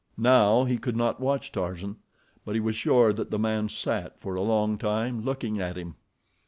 Now he could not watch Tarzan, but he was sure that the man sat for a long time looking at him.